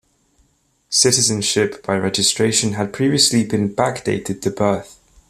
Citizenship by registration had previously been back-dated to birth.